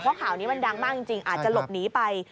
เพราะข่าวนี้มันดังมากจริงอาจจะหลบหนีไป